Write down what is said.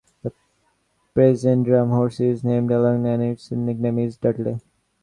The present drum horse is named Alamein and its nickname is Dudley.